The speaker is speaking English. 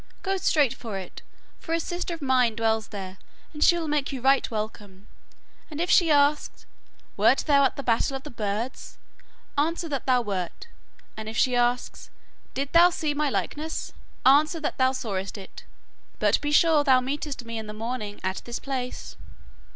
'Go straight for it, for a sister of mine dwells there, and she will make you right welcome. And if she asks, "Wert thou at the battle of the birds?" answer that thou wert, and if she asks, "Didst thou see my likeness?" answer that thou sawest it, but be sure thou meetest me in the morning at this place.